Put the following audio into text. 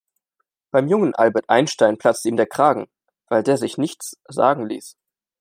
Beim jungen Albert Einstein platzte ihm der Kragen, weil der sich nichts sagen liess.